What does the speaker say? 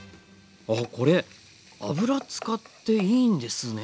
あこれ油使っていいんですね。